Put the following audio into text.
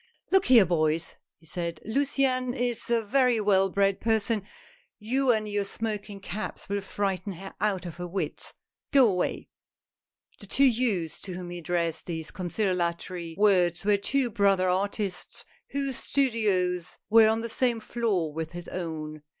" Look here, boys," he said, " Luciane is a very well bred person ; you and your smoking caps will frighten her out of her wits ! Go away !" The two youths to whom he addressed these concili atory words were two brother artists, whose studios were on the same floor with his own.